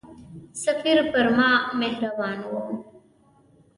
سفیر پر ما مهربان وو.